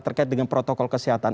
terkait dengan protokol kesehatan